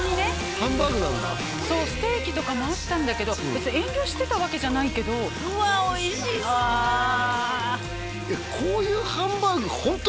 ハンバーグなんだそうステーキとかもあったんだけど別に遠慮してたわけじゃないけどうわおいしそうこういうハンバーグホント